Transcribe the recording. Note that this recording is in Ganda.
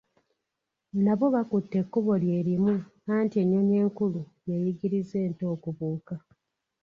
Nabo bakutte ekkubo lye limu anti, "ennyonyi enkulu yeeyiriza ento okubuuka."